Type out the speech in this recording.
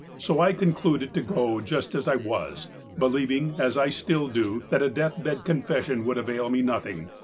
So I concluded to go just as I was, believing, as I still do, that a death bed confession would avail me nothing.